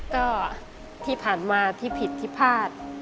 ก็ที่ผ่านมาที่ผิดที่พลาด